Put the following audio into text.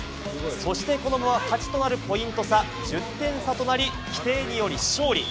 そしてこのまま勝ちとなるポイント差、１０点差となり、規定により勝利。